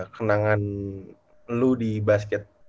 kenangan lu di basket